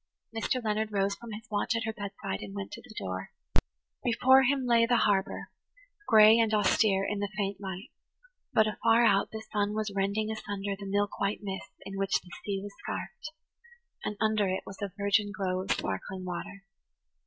Mr. Leonard rose from his watch at her bedside and went to the door. Before him spread the harbour, gray and austere in the faint light, but afar out the sun was rending asunder the milk white mists in which the sea was scarfed, and under it was a virgin glow of sparkling water.